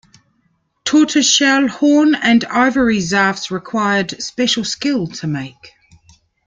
Tortoiseshell, horn and ivory zarfs required special skill to make.